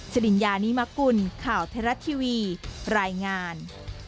สิริญญานิมกุลข่าวไทยรัฐทีวีรายงาน